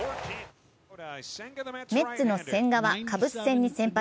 メッツの千賀はカブス戦に先発。